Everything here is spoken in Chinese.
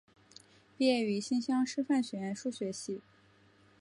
毕业于新乡师范学院数学系。